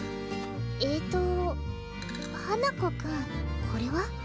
えと花子くんこれは？